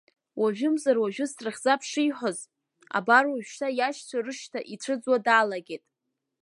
Уажәымзар уажәы срыхьӡап шиҳәоз, абар уажәшьҭа иашьцәа рышьҭа ицәыӡуа далагеит.